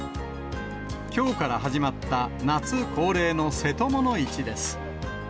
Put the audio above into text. きょうから始まった夏恒例のせともの市です。